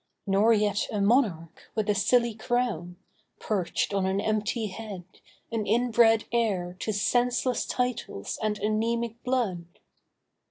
Nor yet a monarch with a silly crown Perched on an empty head, an in bred heir To senseless titles and anemic blood.